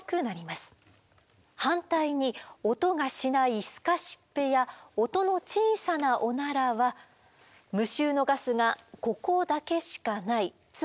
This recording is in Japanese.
反対に音がしないすかしっぺや音の小さなオナラは無臭のガスがここだけしかないつまり少ない状態です。